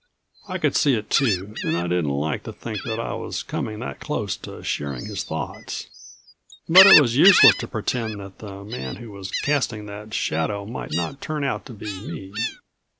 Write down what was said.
I could see it too, and I didn't like to think that I was coming that close to sharing his thoughts. But it was useless to pretend that the man who was casting that shadow might not turn out to be me.